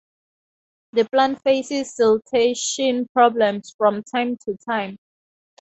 The plant faces siltation problems from time to time.